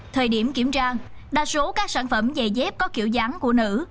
thời điểm kiểm tra đa số các sản phẩm giày dép có kiểu dáng của nữ